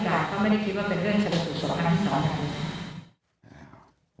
ก็ไม่ได้คิดว่าเป็นเรื่องแชลสุด